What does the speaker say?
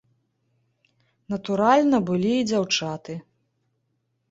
Натуральна, былі і дзяўчаты.